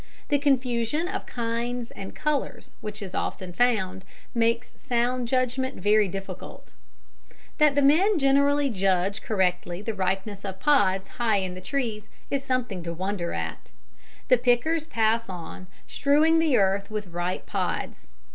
The confusion of kinds and colours which is often found makes sound judgment very difficult. That the men generally judge correctly the ripeness of pods high in the trees is something to wonder at. The pickers pass on, strewing the earth with ripe pods.